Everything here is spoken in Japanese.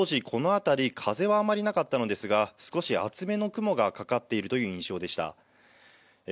当時、この辺り、風はあまりなかったのですが、少し厚めの雲がかかっているという印象でした。